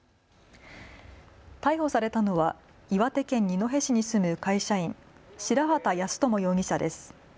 逮捕されたのは岩手県二戸市に住む会社員、白籏康友容疑者です。